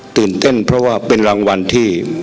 ตื่นเต้นเพราะว่าเป็นรางวัลที่